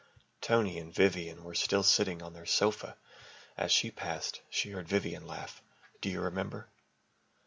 Tony and Vivian were still sitting on their sofa. As she passed, she heard Vivian laugh, "Do you remember?"